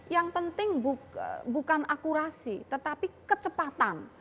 yang penting bukan akurasi tetapi kecepatan